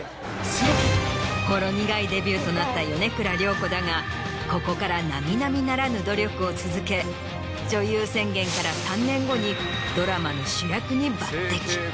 ほろ苦いデビューとなった米倉涼子だがここから並々ならぬ努力を続け女優宣言から３年後にドラマ。